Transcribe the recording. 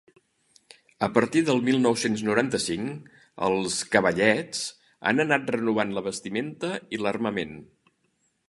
A partir de mil nou-cents noranta-cinc, els Cavallets han anat renovant la vestimenta i l'armament.